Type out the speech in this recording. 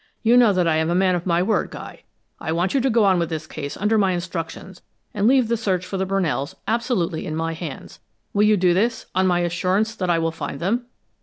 You know that I am a man of my word, Guy. I want you to go on with this case under my instructions and leave the search for the Brunells absolutely in my hands. Will you do this, on my assurance that I will find them?"